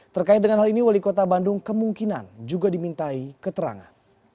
terkait dengan hal ini wali kota bandung kemungkinan juga dimintai keterangan